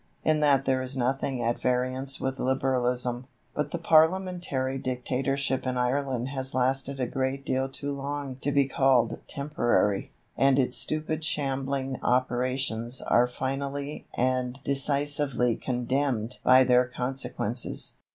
In that there is nothing at variance with Liberalism. But the Parliamentary dictatorship in Ireland has lasted a great deal too long to be called temporary, and its stupid shambling operations are finally and decisively condemned by their consequences.